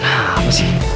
nah apa sih